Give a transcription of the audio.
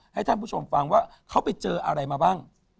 ให้ท่านผู้ชมฟังว่าเขาไปเจออะไรมาบ้าง